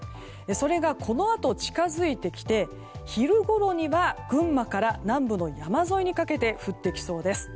それがこのあと近づいてきて昼ごろには群馬から南部の山沿いにかけて降ってきそうです。